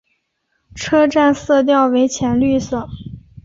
车站色调为浅绿色。